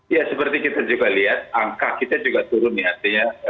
ya seperti kita juga lihat angka kita juga turun ya